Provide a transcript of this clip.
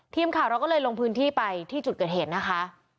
ทีมข่าวเราก็เลยลงพื้นที่ไปที่จุดเกิดเหตุนะคะ